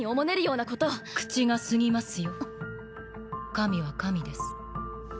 神は神です。